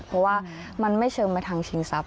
เพราะว่ามันไม่เชิงไปทางชิงทรัพย